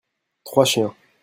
trois chiens.